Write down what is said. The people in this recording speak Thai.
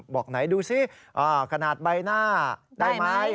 บอกไหนดูสิขนาดใบหน้าได้ไหม